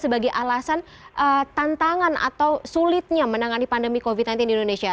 sebagai alasan tantangan atau sulitnya menangani pandemi covid sembilan belas di indonesia